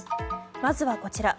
まずはこちら。